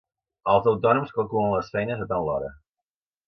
Els autònoms calculen les feines a tant l'hora.